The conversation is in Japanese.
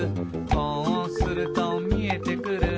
「こうするとみえてくる」